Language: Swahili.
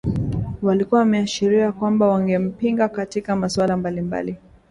walikuwa wameashiria kwamba wangempinga katika masuala mbalimbali